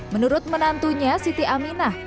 menurut menantunya siti aminah